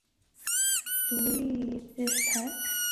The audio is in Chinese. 现在独立电视台是皇家大汇演在英国国内的播出机构。